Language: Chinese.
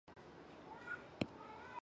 红磡站。